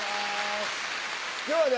今日はね